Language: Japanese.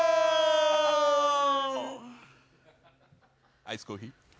アイスコーヒィー